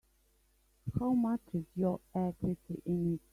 How much is your equity in it?